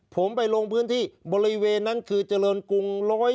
ผมไปลงพื้นที่บริเวณนั้นคือเจริญกรุง๑๐